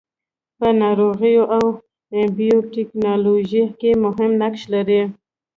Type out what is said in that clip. په ناروغیو او بیوټیکنالوژي کې مهم نقش لري.